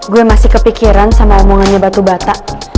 gue masih kepikiran sama omongannya batu bata